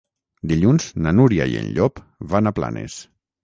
Dilluns na Núria i en Llop van a Planes.